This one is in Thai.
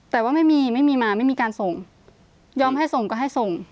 แต่ว่าไม่มีไม่มีมาไม่มีการส่งยอมให้ส่งก็ให้ส่ง